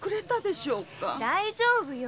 大丈夫よ。